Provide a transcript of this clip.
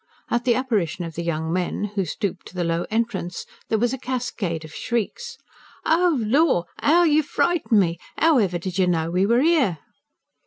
At the apparition of the young men, who stooped to the low entrance, there was a cascade of shrieks. "Oh, lor, 'OW you frightened me! 'Owever did you know we were 'ere?"